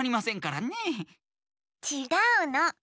ちがうの。